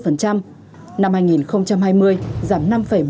năm hai nghìn hai mươi giảm năm bốn mươi ba